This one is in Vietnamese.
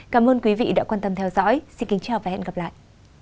cảm ơn quý vị đã quan tâm theo dõi xin kính chào và hẹn gặp lại